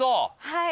はい。